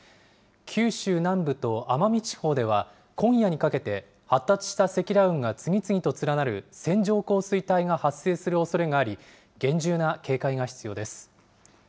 九州南部と奄美地方では、今夜にかけて発達した積乱雲が次々と連なる線状降水帯が発生するおそれがあり、厳重な警戒が必要です。